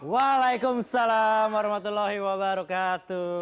waalaikumsalam warahmatullahi wabarakatuh